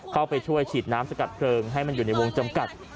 เข้าไปช่วยฉีดน้ำสกัดเพลิงให้มันอยู่ในวงจำกัด